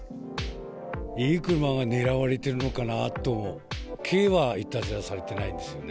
いい車が狙われてるのかなと、軽はいたずらされてないんですよね。